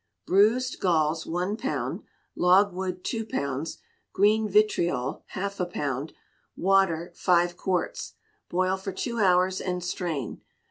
Bruised galls, one pound; logwood, two pounds; green vitriol, half a pound; water, five quarts. Boil for two hours, and strain.